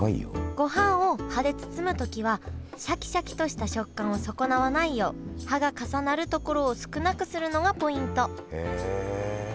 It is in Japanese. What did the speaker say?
ごはんを葉で包むときはシャキシャキとした食感を損なわないよう葉が重なるところを少なくするのがポイントへえ。